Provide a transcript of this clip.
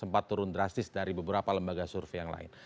sempat turun drastis dari beberapa lembaga survei yang lain